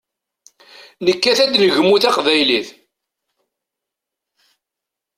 Nekkat ad tegmu teqbaylit.